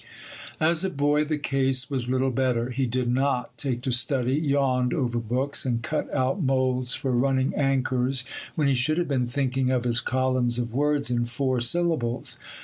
As a boy, the case was little better. He did not take to study, yawned over books, and cut out moulds for running anchors when he should have been thinking of his columns of words in four syllables.